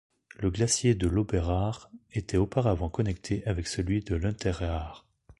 Le glacier de l'Oberaar était auparavant connecté avec celui de l'Unteraar.